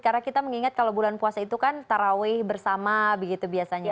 karena kita mengingat kalau bulan puasa itu kan taraweh bersama begitu biasanya